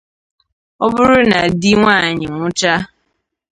ọ bụrụ na di nwaanyị nwụchaa